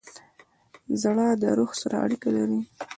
زړه د روح سره اړیکه لري.